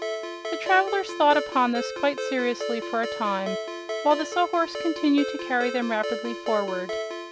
The travelers thought upon this quite seriously for a time, while the Sawhorse continued to carry them rapidly forward.